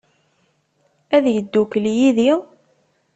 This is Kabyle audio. Ad yeddukel yid-i?